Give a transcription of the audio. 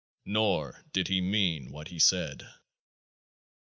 Nor did He mean what He said.